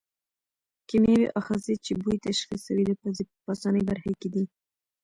کیمیاوي آخذې چې بوی تشخیصوي د پزې په پاسنۍ برخه کې دي.